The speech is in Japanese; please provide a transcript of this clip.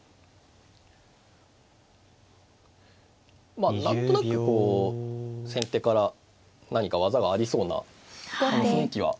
まあ何となくこう先手から何か技がありそうな雰囲気はありますね。